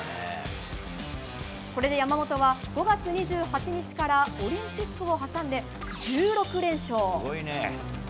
これで山本は、５月２８日からオリンピックを挟んで１６連勝。